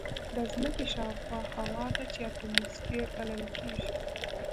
د ځمکې شاوخوا هوا ده چې اتماسفیر بلل کېږي.